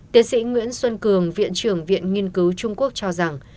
tiến sĩ nguyễn xuân cường viện trưởng viện nghiên cứu trung quốc cho rằng